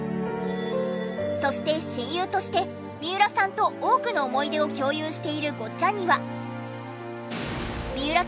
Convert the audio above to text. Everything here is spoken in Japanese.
そして親友として三浦さんと多くの思い出を共有しているごっちゃんには。